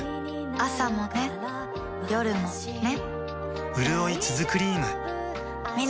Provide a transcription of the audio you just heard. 朝もね、夜もね